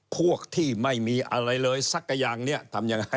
พวกที่ไม่มีอะไรเลยสักอย่างเนี่ยทำยังไง